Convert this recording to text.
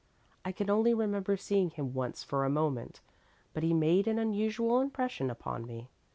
I can only remember seeing him once for a moment, but he made an unusual impression upon me.